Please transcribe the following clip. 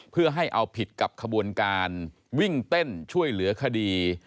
เพื่อให้เอาผิดกับขบวนการวิ่งเต้นช่วยเหลือคดี